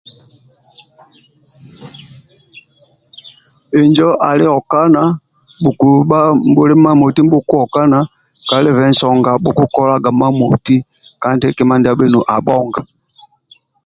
Injo ali okana bhukubha nibhuli imamoti nibhukuokana kalibe nsonga bhukukolaga imamoti kandi abhonga